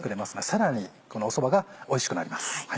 さらにこのそばがおいしくなります。